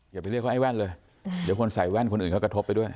อย่าไปเรียกเขาไอ้แว่นเลยเดี๋ยวคนใส่แว่นคนอื่นเขากระทบไปด้วย